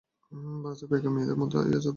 ভারতের বাইগা মেয়েদের মধ্যেও এ আচার প্রচলিত আছে।